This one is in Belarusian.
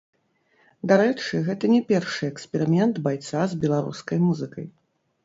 Дарэчы, гэта не першы эксперымент байца з беларускай музыкай.